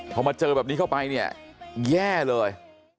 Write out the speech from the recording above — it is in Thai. พอมาเจอแบบนี้เข้าไปเนี่ยแย่เลย